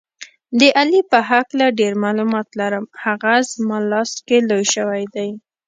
د علي په هکله ډېر معلومات لرم، هغه زما لاس کې لوی شوی دی.